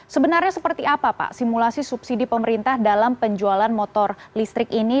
sebenarnya seperti apa pak simulasi subsidi pemerintah dalam penjualan motor listrik ini